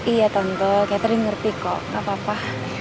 iya tante catherine ngerti kok gak apa apa